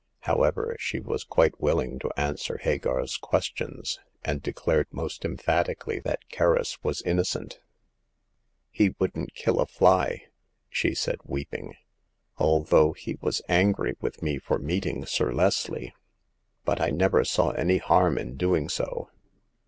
How ever, she was quite willing to answer Hagar's questions, and declared most emphatically that Kerris was innocent. " He wouldn't kill a fly !" said she, weeping, " although he was angry with me for meeting Sir Leslie ; but I never saw any harm in doing so."